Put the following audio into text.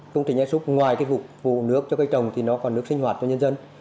công trình esup ngoài vụ nước cho cây trồng nó còn nước sinh hoạt cho nhân dân